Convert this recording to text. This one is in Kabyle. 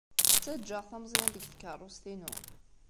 Ttaǧǧaɣ tameẓyant deg tkeṛṛust-inu.